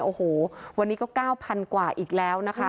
โอ้โหวันนี้ก็๙๐๐กว่าอีกแล้วนะคะ